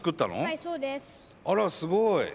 あらすごい！